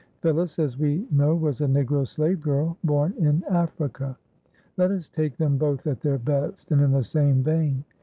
Phillis, as we know, was a Negro slave girl born in Africa. Let us take them both at their best and in the same vein.